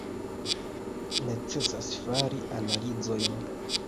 Necesas fari analizojn.